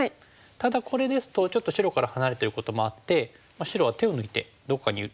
ただこれですとちょっと白から離れてることもあって白は手を抜いてどこかに打てそうですよね。